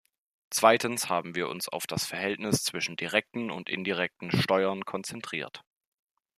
Zweitens haben wir uns auf das Verhältnis zwischen direkten und indirekten Steuern konzentriert.